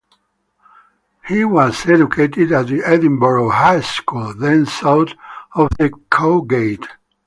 He was educated at the Edinburgh High School (then south of the Cowgate).